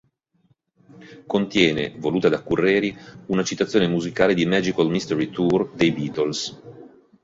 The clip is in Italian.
Contiene, voluta da Curreri, una citazione musicale di "Magical Mistery Tour" dei Beatles.